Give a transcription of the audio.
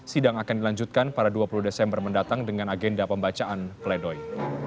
sidang akan dilanjutkan pada dua puluh desember mendatang dengan agenda pembacaan pledoi